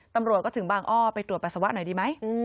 ตำรวจก็ถึงบางอ้อไปตรวจปัสสาวะหน่อยดีไหม